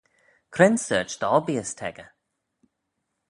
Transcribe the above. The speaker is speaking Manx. Cre'n sorçh dy obbeeys t'echey?